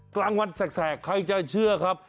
กลางวันแสกใครจะเชื่อครับ